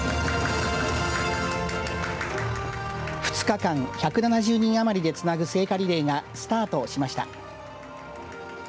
２日間、１７０人余りでつなぐ聖火リレーがスタートしました。